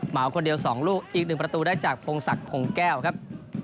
เหมาคนเดียว๒ลูกอีก๑ประตูได้จากพงศักดิ์คงแก้วครับ